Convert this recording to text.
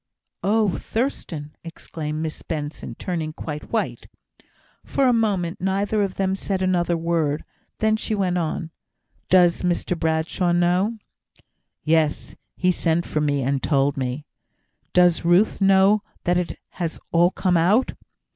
"Oh, Thurstan!" exclaimed Miss Benson, turning quite white. For a moment, neither of them said another word. Then she went on. "Does Mr Bradshaw know?" "Yes! He sent for me, and told me." "Does Ruth know that it has all come out?"